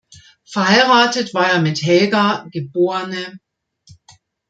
Verheiratet war er mit Helga, geb.